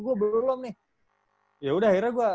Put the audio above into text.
gue belum nih ya udah akhirnya gue